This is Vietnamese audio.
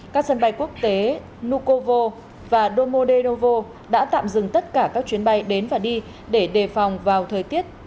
các sân bay quốc tế nukovo và domodenovo đã tạm dừng tất cả các chuyến bay đến và đi để đề phòng vào thời tiết